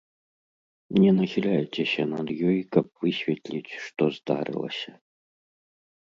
Не нахіляйцеся над ёй, каб высветліць, што здарылася.